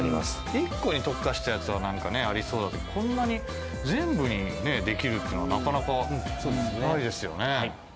１個に特化したやつはありそうだけど、こんなに全部できるっていうのは、なかなかないですよね。